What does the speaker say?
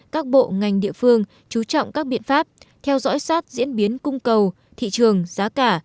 các bộ ngành địa phương chú trọng các biện pháp theo dõi sát diễn biến cung cầu thị trường giá cả